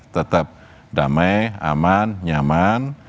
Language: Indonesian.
tetap damai aman nyaman